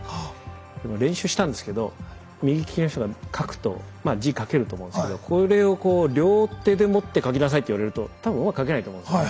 でも練習したんですけど右利きの人が書くとまあ字書けると思うんですけどこれをこう両手で持って書きなさいっていわれると多分うまく書けないと思うんですよね。